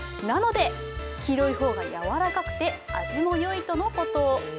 なので黄色い方がやわらかくて味も良いとのこと。